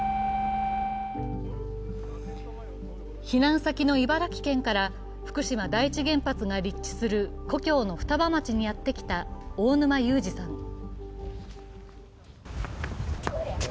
避難先の茨城県から福島第一原発が立地する故郷の双葉町にやってきた大沼勇治さん。